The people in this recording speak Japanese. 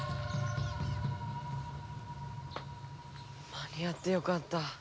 間に合ってよかった。